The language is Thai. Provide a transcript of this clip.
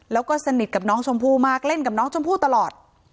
แล้วก็สนิทกับน้องชมพู่มากเล่นกับน้องชมพู่ตลอด